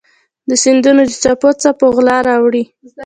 د سیندونو د څپو څه په غلا راوړي